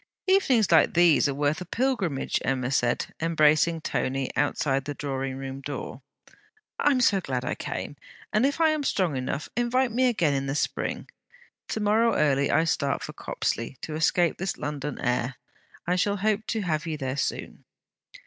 'Evenings like these are worth a pilgrimage,' Emma said, embracing Tony outside the drawing room door. 'I am so glad I came: and if I am strong enough, invite me again in the Spring. To morrow early I start for Copsley, to escape this London air. I shall hope to have you there soon.'